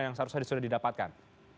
yang seharusnya sudah didapatkan